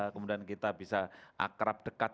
kemudian kita bisa akrab dekat